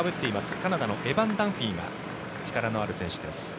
カナダのエバン・ダンフィーが力のある選手です。